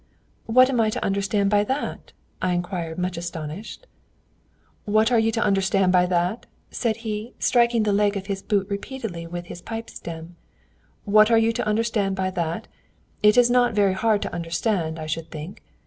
"'What am I to understand by that?' I inquired, much astonished. "'What are you to understand by that?' said he, striking the leg of his boot repeatedly with his pipe stem 'what are you to understand by that? It is not very hard to understand, I should think.